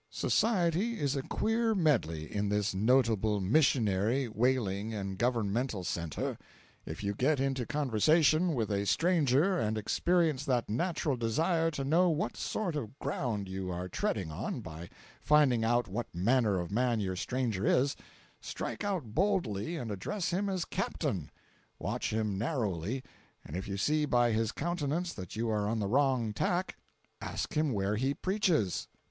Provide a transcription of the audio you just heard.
Society is a queer medley in this notable missionary, whaling and governmental centre. If you get into conversation with a stranger and experience that natural desire to know what sort of ground you are treading on by finding out what manner of man your stranger is, strike out boldly and address him as "Captain." Watch him narrowly, and if you see by his countenance that you are on the wrong tack, ask him where he preaches.